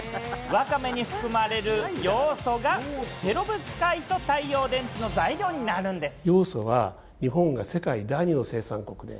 わかめに含まれるヨウ素がペロブスカイト太陽電池の材料になるんです。